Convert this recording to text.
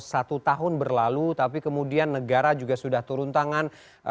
satu tahun berlalu tapi kemudian negara juga sudah turun tangan